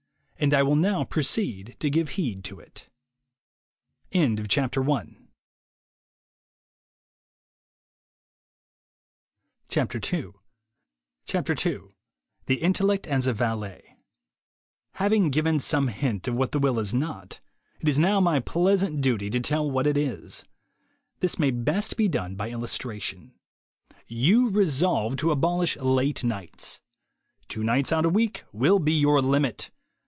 And I will now proceed to give heed to it. II THE INTELLECT AS A VALET T TAVING given some hint of what the will is ■*■■*■ not, it is now my pleasant duty to tell what it is. This may best be done by illustration. You resolve to abolish late nights. Two nights out a week will be your limit.